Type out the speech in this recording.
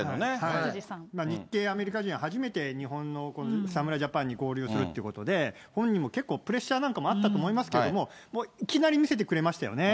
日系アメリカ人、初めて日本の侍ジャパンに合流するということで、本人も結構プレッシャーなんかもあったと思いますけれども、いきなり見せてくれましたよね。